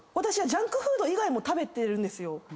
私ジャンクフード以外も食べてるんですよ。